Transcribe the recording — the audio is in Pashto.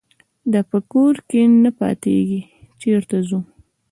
دا په کور کې نه پاتېږي چېرته ځو.